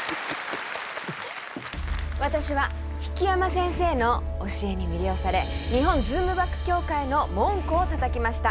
私は引山先生の教えに魅了され日本ズームバック協会の門戸をたたきました。